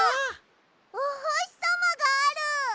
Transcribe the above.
おほしさまがある！